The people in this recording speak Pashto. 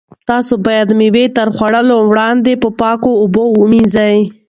تاسو باید مېوې تر خوړلو وړاندې په پاکو اوبو ومینځئ.